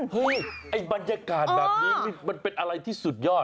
เฮ้ยไอ้บรรยากาศแบบนี้มันเป็นอะไรที่สุดยอด